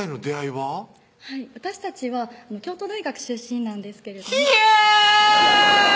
はい私たちは京都大学出身なんですけれどもヒエー‼あぁ